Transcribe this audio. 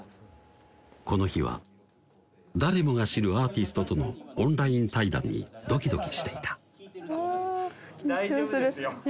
この日は誰もが知るアーティストとのオンライン対談にドキドキしていたうわぁ緊張する大丈夫ですよ